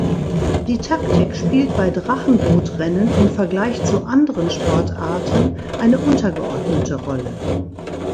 Die Taktik spielt bei Drachenboot-Rennen im Vergleich zu anderen Sportarten eine untergeordnete Rolle.